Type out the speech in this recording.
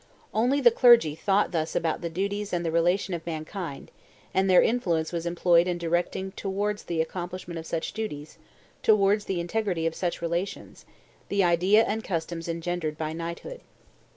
Only the clergy thought thus about the duties and the relations of mankind; and their influence was employed in directing towards the accomplishment of such duties, towards the integrity of such relations, the ideas and customs engendered by knighthood.